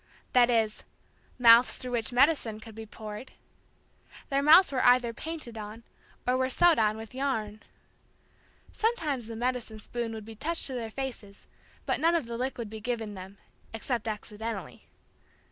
That is, mouths through which medicine could be poured. Their mouths were either painted on, or were sewed on with yarn. Sometimes the medicine spoon would be touched to their faces but none of the liquid be given them. Except accidentally.